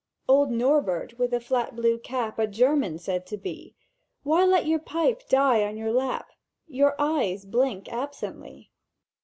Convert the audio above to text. "OLD Norbert with the flat blue cap— A German said to be— Why let your pipe die on your lap, Your eyes blink absently?"